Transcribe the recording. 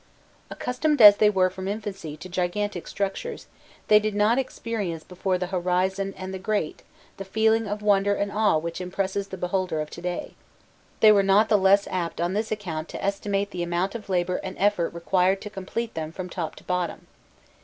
Accustomed as they were from infancy to gigantic structures, they did not experience before "the Horizon" and "the Great" the feeling of wonder and awe which impresses the beholder of to day. They were not the less apt on this account to estimate the amount of labour and effort required to complete them from top to bottom.